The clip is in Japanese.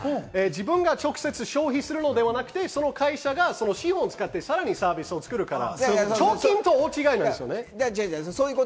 自分が直接消費するのではなくて、その会社が資本を使って、さらにサービスを作るから。